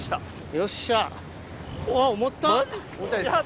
よっしゃ。